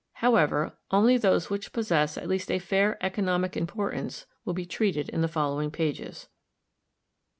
However, only those which possess at least a fair economic importance will be treated in the following pages.